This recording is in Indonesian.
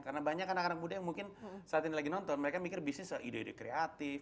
karena banyak anak anak muda yang mungkin saat ini lagi nonton mereka mikir bisnis itu ide ide kreatif